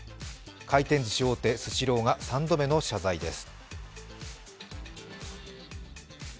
回転ずし大手・スシローが３度目の謝罪です。